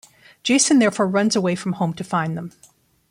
Jason therefore runs away from home to find them.